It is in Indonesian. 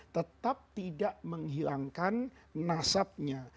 tetap tidak menghilangkan nasabnya